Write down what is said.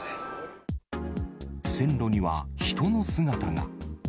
線路には人の姿が。